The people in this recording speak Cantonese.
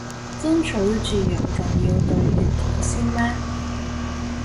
爭取自由仲要對血統先咩